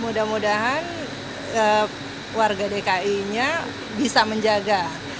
mudah mudahan warga dki nya bisa menjaga